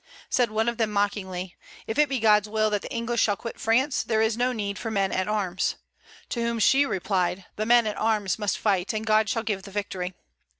Said one of them mockingly: "If it be God's will that the English shall quit France, there is no need for men at arms." To whom she replied: "The men at arms must fight, and God shall give the victory."